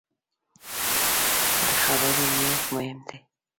د خبرو نیت مهم دی